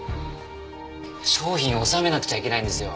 商品を納めなくちゃいけないんですよ。